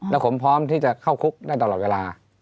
แล้วผมพร้อมที่จะเข้าคุกได้ตลอดเวลา